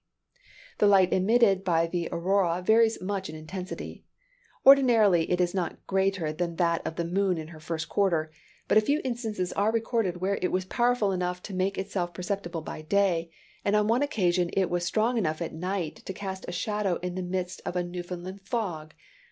The light emitted by the aurora varies much in intensity. Ordinarily it is not greater than that of the moon in her first quarter; but a few instances are recorded where it was powerful enough to make itself perceptible by day; and on one occasion it was strong enough at night to cast a shadow in the midst of a Newfoundland fog.